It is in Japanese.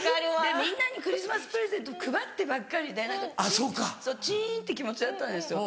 みんなにクリスマスプレゼント配ってばっかりでチンって気持ちだったんですよ。